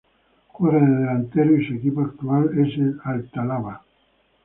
Juega de delantero y su equipo actual es el Al-Talaba.